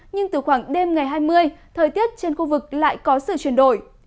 nhưng từ khoảng đêm ngày hai mươi thời tiết trên khu vực lại có sự chuyển đổi